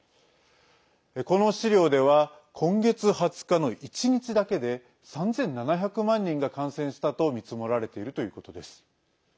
この資料では今月２０日の１日だけで３７００万人が感染したと見積もられているということです。